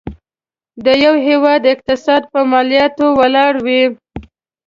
د یو هيواد اقتصاد په مالياتو ولاړ وي.